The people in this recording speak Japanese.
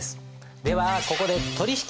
ではここで取引クイズ。